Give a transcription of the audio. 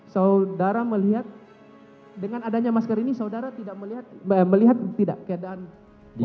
saudara melihat dengan adanya masker ini saudara tidak melihat melihat tidak keadaan wajah antara hidung